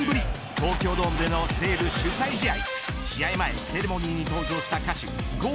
東京ドームでの西武主催試合。